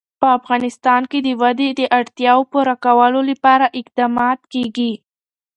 په افغانستان کې د وادي د اړتیاوو پوره کولو لپاره اقدامات کېږي.